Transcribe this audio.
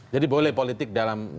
jadi boleh politik dalam sisikan